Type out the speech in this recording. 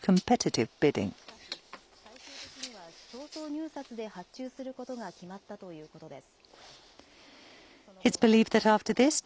しかし、最終的には競争入札で発注することが決まったということです。